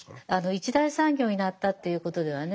一大産業になったということではね